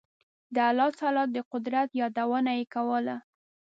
د الله تعالی د قدرت یادونه یې کوله.